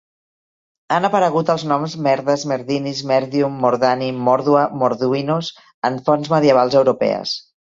Han aparegut els noms "Merdas, Merdinis, Merdium, Mordani, Mordua, Morduinos" en fonts medievals europees.